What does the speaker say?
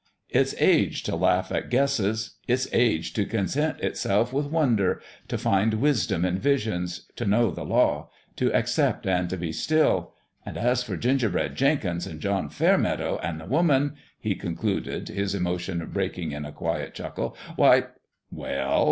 It's age t' laugh at guesses ; it's age t' content itself with wonder t' find wisdom in visions t' know the law to accept an' t' be still. An' as for Gingerbread Jen kins an' John Fairmeadow an' the woman," he concluded, his emotion breaking in a quiet chuckle, "why "" Well